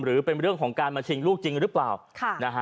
หรือเป็นเรื่องของการมาชิงลูกจริงหรือเปล่าค่ะนะฮะ